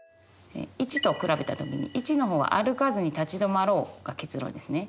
①と比べた時に①の方は「歩かずに立ち止まろう」が結論ですね。